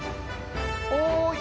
おい！